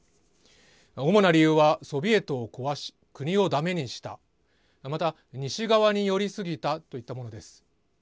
主な理由はソビエトを壊し国をだめにしたまた、西側に寄りすぎたといったものです。